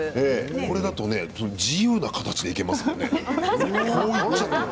これだと自由な形でいけますね。